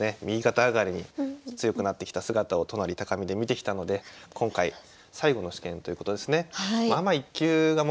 右肩上がりに強くなってきた姿を都成見で見てきたので今回最後の試験ということですね。